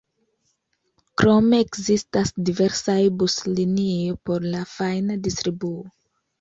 Krome ekzistas diversaj buslinio por la fajna distribuo.